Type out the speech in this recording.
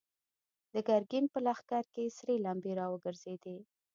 د ګرګين په لښکر کې سرې لمبې را وګرځېدې.